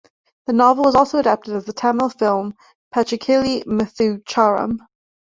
The novel was also adapted as the Tamil film Pachaikili Muthucharam.